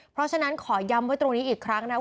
เพราะฉะนั้นขอย้ำไว้ตรงนี้อีกครั้งนะ